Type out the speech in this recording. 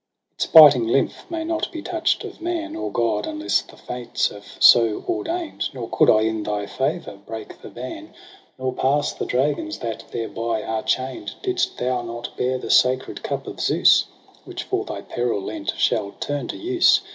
' Its biting lymph may not be touch'd of man Or god, unless the Fates have so ordain'd 3 Nor coud I in thy favour break the ban. Nor pass the dragons that thereby are chain'd. Didst thou not bear the sacred cup of Zeus j Which, for thy peril lent, shall turn to use.